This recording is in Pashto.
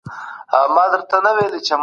کمپيوټر حکم چاپوي.